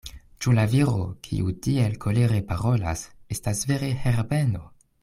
Ĉu la viro, kiu tiel kolere parolas, estas vere Herbeno?